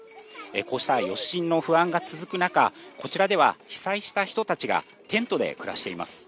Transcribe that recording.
こうした余震の不安が続く中、こちらでは被災した人たちがテントで暮らしています。